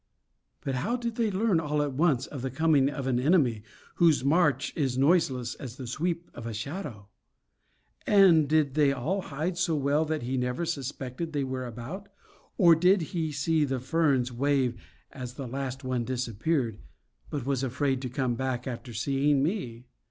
But how did they learn, all at once, of the coming of an enemy whose march is noiseless as the sweep of a shadow? And did they all hide so well that he never suspected that they were about, or did he see the ferns wave as the last one disappeared, but was afraid to come back after seeing me?